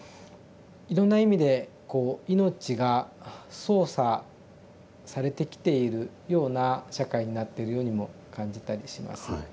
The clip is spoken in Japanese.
いろんな意味でこう命が操作されてきているような社会になっているようにも感じたりします。